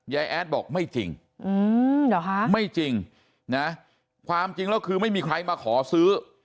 แอดบอกไม่จริงไม่จริงนะความจริงแล้วคือไม่มีใครมาขอซื้อ